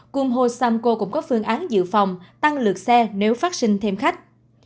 cung hô samco cũng có phương án dự phòng tăng lượt xe nếu phát sinh thêm khách